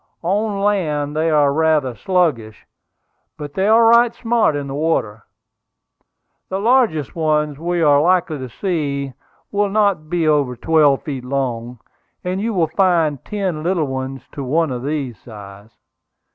On land they are rather sluggish; but they are right smart in the water. The largest ones we are likely to see will not be over twelve feet long; and you will find ten little ones to one of this size.